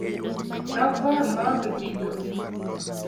Nogoyo maong'e giko.